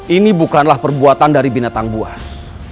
ini bukanlah perbuatan dari binatang buas